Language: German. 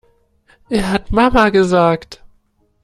Er hat Mama gesagt!